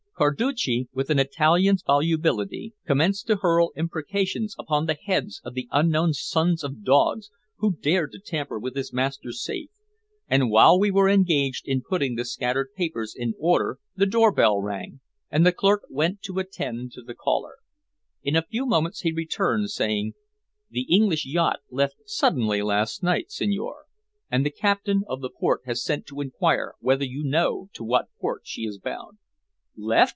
Carducci, with an Italian's volubility, commenced to hurl imprecations upon the heads of the unknown sons of dogs who dared to tamper with his master's safe, and while we were engaged in putting the scattered papers in order the door bell rang, and the clerk went to attend to the caller. In a few moments he returned, saying "The English yacht left suddenly last night, signore, and the Captain of the Port has sent to inquire whether you know to what port she is bound." "Left!"